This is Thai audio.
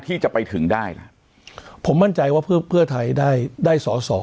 ที่จะไปถึงได้นะผมมั่นใจว่าเพื่อไทยได้ได้สอสอ